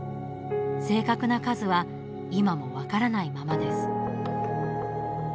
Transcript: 正確な数は今も分からないままです。